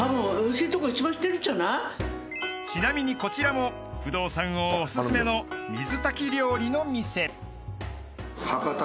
［ちなみにこちらも不動産王おすすめの水炊き料理の店］